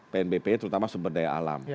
pnbp terutama sumber daya alam